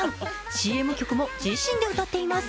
ＣＭ曲も自身で歌っています。